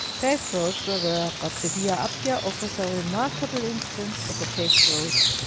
Paved roads were rare, but the Via Appia offers a remarkable instance of a paved road.